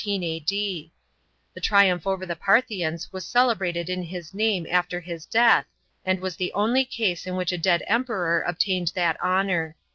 He died on August 8, 117 A.D.* The triumph over the Parthiaus was c lehratevl in Ids nan.e after his d«ath, and was the only case in which a dead Kmperor obtained that honour.